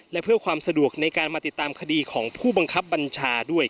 และเพื่อความสะดวกในการมาติดตามคดีของผู้บังคับบัญชาด้วย